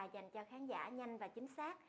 dành cho khán giả nhanh và chính xác